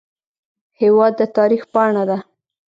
هېواد د تاریخ پاڼه ده.